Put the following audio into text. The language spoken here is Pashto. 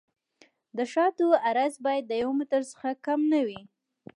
د شانو عرض باید د یو متر څخه کم نه وي